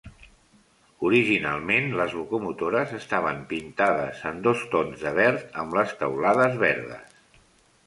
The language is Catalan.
Originalment, les locomotores estaven pintades en dos tons de verd, amb les teulades verdes.